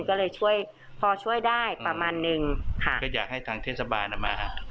ก็เลยช่วยพอช่วยได้ประมาณนึงค่ะก็อยากให้ทางเทศบาลอ่ะมา